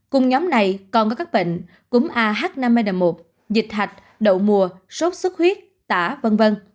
cùng nhóm này còn có các bệnh cúng ah năm trăm linh một dịch hạch đậu mùa sốt sức huyết tả v v